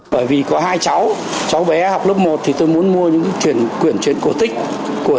bởi vì có hai cháu cháu bé học lớp một thì tôi muốn mua những chuyện cuộn chuyện cổ tích